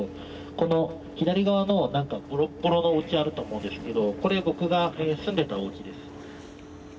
この左側の何かボロッボロのおうちあると思うんですけどこれ僕が住んでたおうちです。